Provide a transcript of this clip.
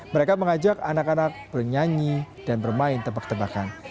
mereka mengajak anak anak bernyanyi dan bermain tebak tebakan